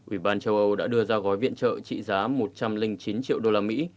ủy ban châu âu đã đưa ra gói viện trợ trị giá một trăm linh chín triệu đô la mỹ